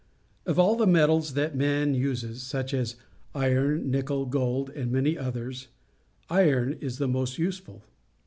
— Of all the metals that man uses, such as iron, nickel, gold, and manj' others, iron is the most useful.